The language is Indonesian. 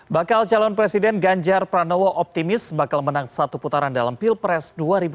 bakal calon presiden ganjar pranowo optimis bakal menang satu putaran dalam pilpres dua ribu dua puluh